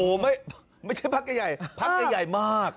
โอ้โหไม่ใช่พักใหญ่พักใหญ่มาก